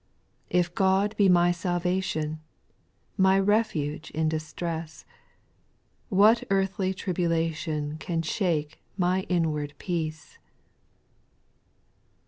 If God be my salvation, My refuge in distress, What earthly tribulation Can shake my inward peace